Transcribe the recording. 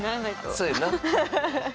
そうやんな。